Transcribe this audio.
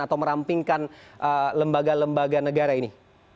atau merampingkan lembaga lembaga negara ini